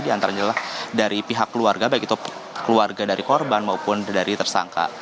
di antaranya dari pihak keluarga baik itu keluarga dari korban maupun dari tersangka